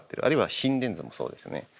あるいは心電図もそうですよね。